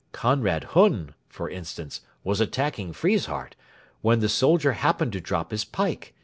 Conrad Hunn, for instance, was attacking Friesshardt, when the soldier happened to drop his pike.